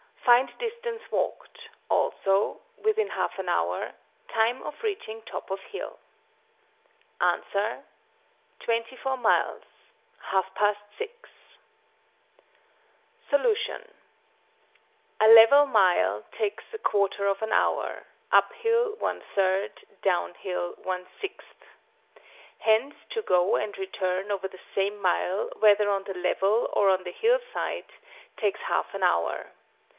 Find distance walked: also (within half an hour) time of reaching top of hill." Answer. "24 miles: half past 6." Solution. A level mile takes 1/4 of an hour, up hill 1/3, down hill 1/6. Hence to go and return over the same mile, whether on the level or on the hill side, takes 1/2 an hour.